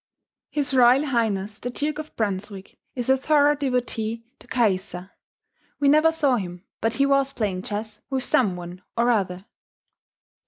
H. R. H. the Duke of Brunswick is a thorough devotee to Caïssa; we never saw him but he was playing chess with some one or other.